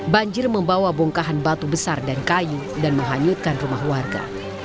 banjir membawa bongkahan batu besar dan kayu dan menghanyutkan rumah warga